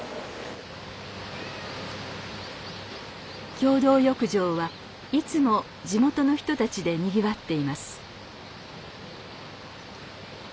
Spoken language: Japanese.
共同浴場はいつも地元の人たちでにぎわっています。